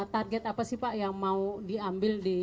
target apa sih pak yang mau diambil di